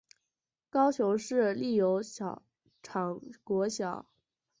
高雄市立油厂国小